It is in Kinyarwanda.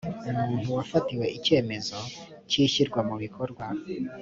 umuntu wafatiwe icyemezo cy ishyirwa mubikorwa